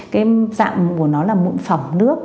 cái dạng của nó là mụn phẩm nước